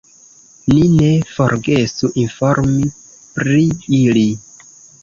Ni ne forgesu informi pri ili!